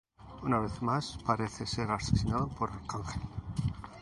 Una vez más, parece ser asesinado por Arcángel.